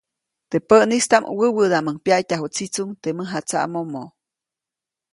Teʼ päʼnistaʼm wäwädaʼmʼuŋ pyaʼtyaju tsitsuuŋ teʼ mäjatsaʼmomo.